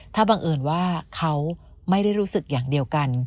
ถ้าบังเอิญว่าเขาไม่ได้รู้สึกอย่างเดียวกัน